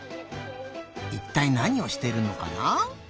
いったいなにをしてるのかな？